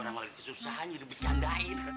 sama lo kesusahannya lebih candain